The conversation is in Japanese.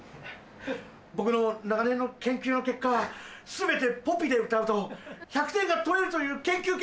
僕の長年の研究の結果全て「ポピ」で歌うと１００点が取れるという研究結果導き出したんです！